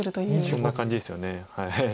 そんな感じですよね。